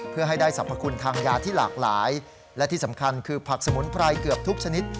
เพื่อให้ได้สรรพคุณทางยาที่หลากหลายและที่สำคัญคือผักสมุนไพรเกือบทุกชนิด